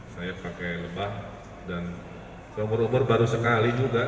saya pakai lebah dan seumur umur baru sekali juga